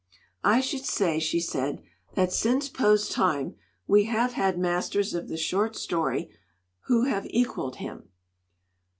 "I should say," she said, "that since Poe's time we have had masters of the short story who have equaled him.